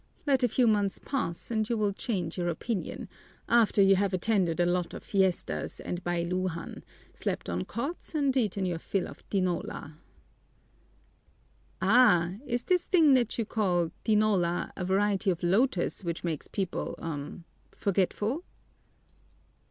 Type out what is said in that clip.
Let a few months pass and you will change your opinion, after you have attended a lot of fiestas and bailúhan, slept on cots, and eaten your fill of tinola." "Ah, is this thing that you call tinola a variety of lotus which makes people er forgetful?"